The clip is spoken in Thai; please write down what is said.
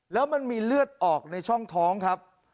แล้วมันมีเลือดออกในช่องท้องครับ